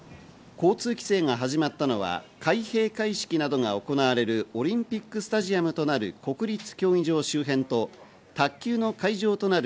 交通規制が始まったのは開閉会式などが行われるオリンピックスタジアムとなる国立競技場周辺と卓球の会場となる